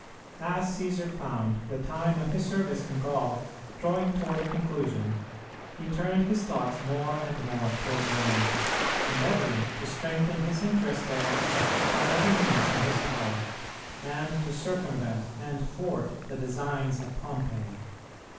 As Cćsar found the time of his service in Gaul drawing toward a conclusion, he turned his thoughts more and more toward Rome, endeavoring to strengthen his interest there by every means in his power, and to circumvent and thwart the designs of Pompey.